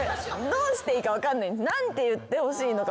どうしていいか分かんない。